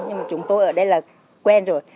nhưng mà chúng tôi ở đây là quen rồi